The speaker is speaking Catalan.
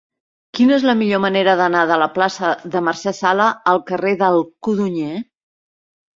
Quina és la millor manera d'anar de la plaça de Mercè Sala al carrer del Codonyer?